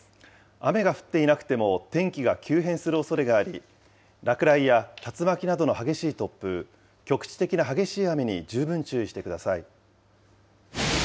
雨が降っていなくても天気が急変するおそれがあり、落雷や竜巻などの激しい突風、局地的な激しい雨に十分注意してください。